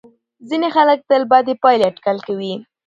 ځینې خلک تل بدې پایلې اټکل کوي.